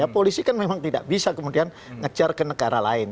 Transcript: polisi kan memang tidak bisa kemudian ngejar ke negara lain